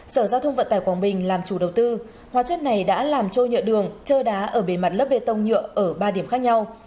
sở giao thông vận tải quảng bình làm chủ đầu tư hóa chất này đã làm trôi nhựa đường trơ đá ở bề mặt lớp bê tông nhựa ở ba điểm khác nhau